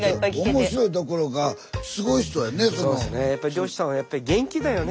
漁師さんはやっぱり元気だよね。